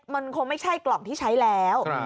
มันคงไม่ใช่กล่องที่ใช้แล้ว